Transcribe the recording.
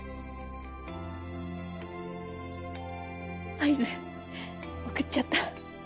合図送っちゃった